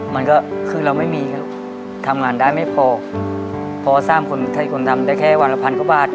มันก็คือเราไม่มีครับทำงานได้ไม่พอพอสร้างคนให้คนทำได้แค่วันละพันกว่าบาท